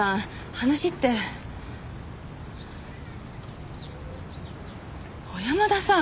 話って小山田さん！